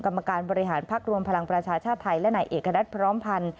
กรรมการบริหารพักรวมพลังประชาชาติไทยและนายเอกณัฐพร้อมพันธ์